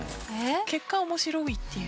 結果面白いっていう。